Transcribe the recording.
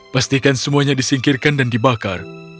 pastikan semuanya disingkirkan dan dibakar